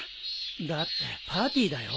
だってパーティーだよ？